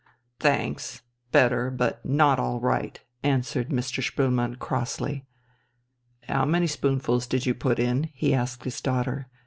"Thanks, better, not but all right," answered Mr. Spoelmann crossly. "How many spoonfuls did you put in?" he asked his daughter.